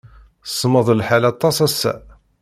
Semmeḍ lḥal aṭas ass-a.